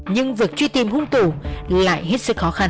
nhưng việc truy tìm hung thủ lại hết sức khó khăn